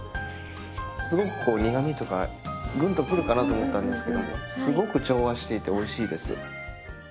すごくこう苦みとかグンとくるかなと思ったんですけどもすごく調和していておいしいです。